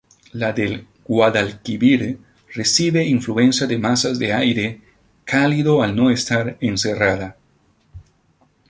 La del Guadalquivir recibe influencia de masas de aire cálido al no estar encerrada.